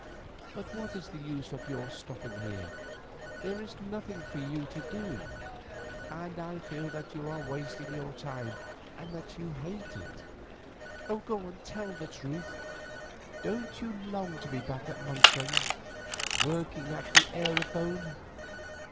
But what is the use of your stopping here? There is nothing for you to do, and I feel that you are wasting your time and that you hate it. Tell the truth. Don't you long to be back at Monksland, working at that aerophone?"